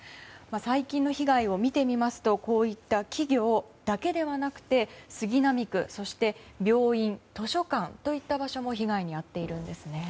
最近の被害を見てみますとこういった企業だけではなくて杉並区、そして病院、図書館といった場所も被害に遭っているんですね。